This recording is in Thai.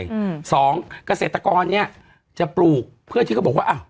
อืมสองเกษตรกรเนี้ยจะปลูกเพื่อที่เขาบอกว่าอ้าว